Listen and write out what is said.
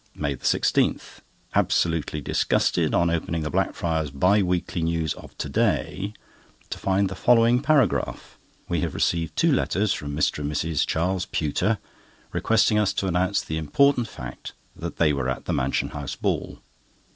MAY 16.—Absolutely disgusted on opening the Blackfriars Bi weekly News of to day, to find the following paragraph: "We have received two letters from Mr. and Mrs. Charles Pewter, requesting us to announce the important fact that they were at the Mansion House Ball."